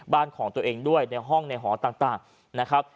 บ้านของตัวเองด้วยในห้องในหอต่างนะครับ